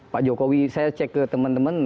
pak jokowi saya cek ke temen temen